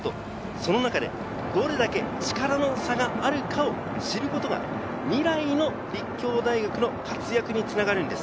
その中でどれだけ力の差があるかを知ることが、未来の立教大学の活躍に繋がるんです。